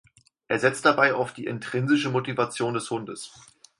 Er setzt dabei auf die intrinsische Motivation des Hundes.